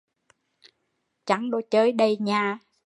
Chăng đồ chơi đầy nhà